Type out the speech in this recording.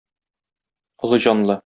Олы җанлы.